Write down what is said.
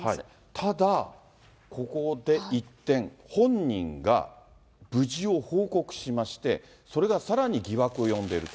ただ、ここで一転、本人が無事を報告しまして、それがさらに疑惑を呼んでいると。